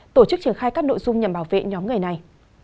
tổ chức triển khai các nội dung nhằm bảo vệ nhóm người này